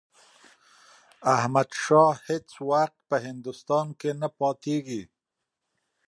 احمدشاه هیڅ وخت په هندوستان کې نه پاتېږي.